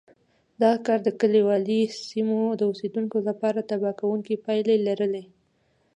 دغه کار د کلیوالي سیمو د اوسېدونکو لپاره تباه کوونکې پایلې لرلې